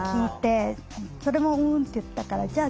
それも「うん」って言ったからじゃあ